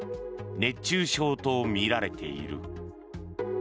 熱中症とみられている。